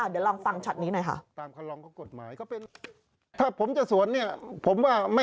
เดี๋ยวลองฟังช็อตนี้หน่อยค่ะ